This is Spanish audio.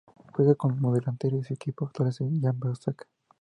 Juega como delantero y su equipo actual es el Gamba Osaka.